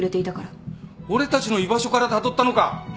俺たちの居場所からたどったのか！？